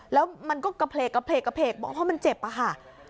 แล้วมันก็กระเพลกกระเพลกกระเพลกเพราะมันเจ็บค่ะ